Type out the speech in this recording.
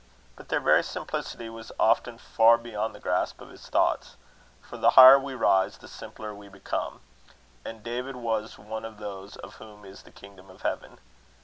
But their very simplicity was often far beyond the grasp of his thoughts; for the higher we rise, the simpler we become; and David was one of those of whom is the kingdom of Heaven.